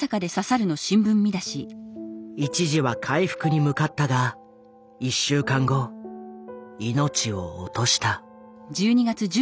一時は回復に向かったが１週間後命を落とした。